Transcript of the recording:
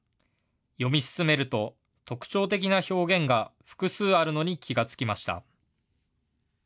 読み進めると特徴的な表現が複数あるのに気が付きました。